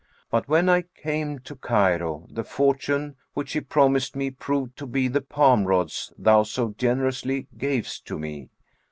But when I came to Cairo the fortune which he promised me proved to be the palm rods thou so generously gavest to me."